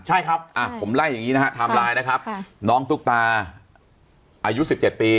ใช่ครับอ่ะผมไล่อย่างงี้นะฮะนะครับค่ะน้องตุ๊กตาอายุสิบเก็บปี